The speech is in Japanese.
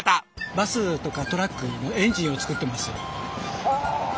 バスとかトラックのエンジンを作ってます。